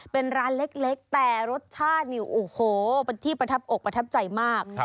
เป็นร้านเล็กแต่รสชาตินี่โอ้โหเป็นที่ประทับอกประทับใจมาก